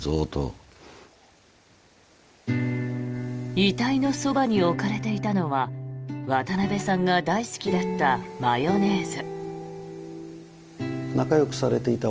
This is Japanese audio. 遺体のそばに置かれていたのは渡辺さんが大好きだったマヨネーズ。